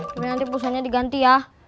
tapi nanti perusahaannya diganti ya